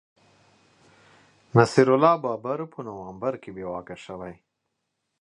نصیر الله بابر په نومبر کي بې واکه شوی